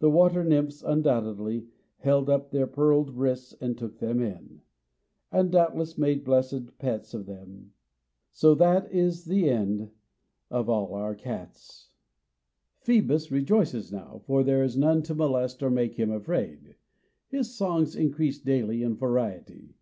The water nymphs, undoubtedly, "held up their pearled wrists and took them in," and doubtless made blessed pets of them. So that is the end of all our cats. Phoebus rejoices now; for there is none to molest or make him afraid. His songs increase daily in variety.